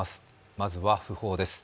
まずは訃報です。